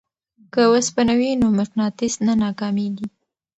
که اوسپنه وي نو مقناطیس نه ناکامیږي.